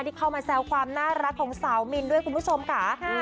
ที่เข้ามาแซวความน่ารักของสาวมินด้วยคุณผู้ชมค่ะ